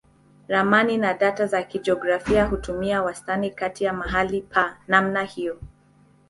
Ramani na data za kijiografia hutumia wastani kati ya mahali pa namna hiyo.